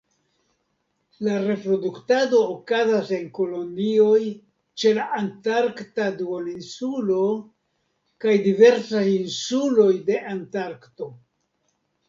La reproduktado okazas en kolonioj ĉe la Antarkta Duoninsulo, kaj diversaj insuloj de Antarkto.